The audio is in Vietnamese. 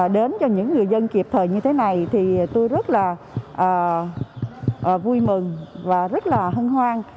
đến cho những người dân kịp thời như thế này thì tôi rất là vui mừng và rất là hân hoan